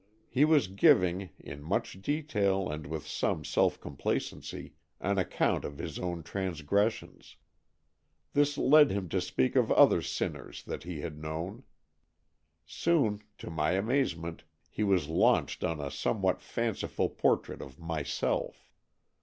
He was giving, in much detail and with some self complacency, an account of his own transgressions. This led him to speak of other sinners that he had known. Soon, to my amazement, he was launched on a somewhat fanciful portrait of myself.